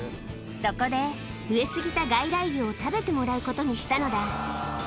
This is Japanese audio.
そこで、増えすぎた外来魚を食べてもらうことにしたのだ。